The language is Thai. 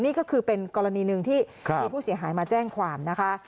นี่ก็คือเป็นกรณีหนึ่งที่มีผู้เสียหายมาแจ้งความนะคะ